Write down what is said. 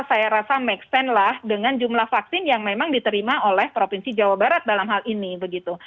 saya rasa make sense lah dengan jumlah vaksin yang memang diterima oleh provinsi jawa barat dalam hal ini begitu